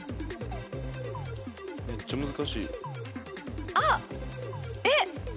めっちゃ難しい。